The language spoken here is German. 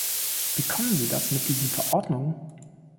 Bekommen sie das mit diesen Verordnungen?